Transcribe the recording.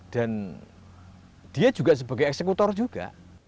dan dia juga sebagai eksekutor juga